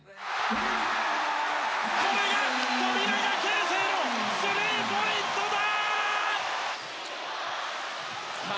これが富永啓生のスリーポイントだ！